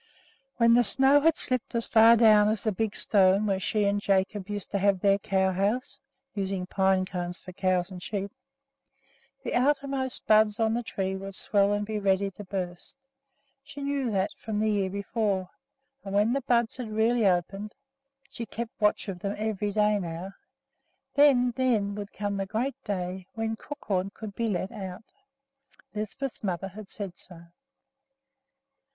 When the snow had slipped as far down as the big stone where she and Jacob used to have their cow house (using pine cones for cows and sheep), the outermost buds on the trees would swell and be ready to burst, she knew that from the year before; and when the buds had really opened (she kept close watch of them every day now), then, then would come the great day when Crookhorn could be let out. Lisbeth's mother had said so.